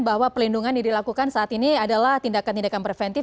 bahwa pelindungan yang dilakukan saat ini adalah tindakan tindakan preventif